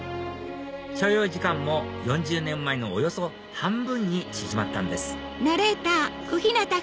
所要時間も４０年前のおよそ半分に縮まったんです